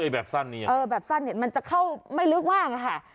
แบบสั้นนี้หรอเออแบบสั้นมันจะเข้าไม่ลึกว่างนะคะ